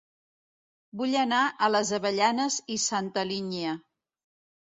Vull anar a Les Avellanes i Santa Linya